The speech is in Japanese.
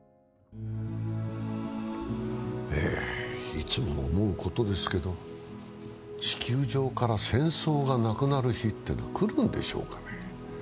いつも思うことですけど地球上から戦争がなくなる日というのは来るんでしょうかね。